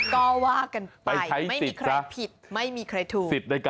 ก็ว่ากันไปไม่มีใครผิดไม่มีใครถูก